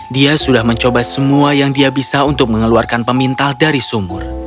dia sudah mencoba semua yang dia bisa untuk mengeluarkan pemintal dari sumur